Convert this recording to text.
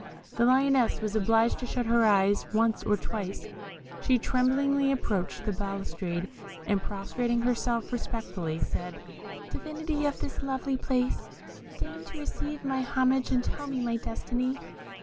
The Lioness was obliged to shut her eyes once or twice: she tremblingly approached the balustrade, and prostrating herself, respectfully said, "Divinity of this lovely place, deign to receive my homage, and tell me my destiny."